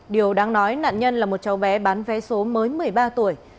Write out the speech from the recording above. điều đáng nói nạn nhân là một cháu bé bán vé số mới một mươi ba tuổi